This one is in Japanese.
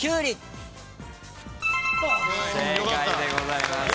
正解でございます。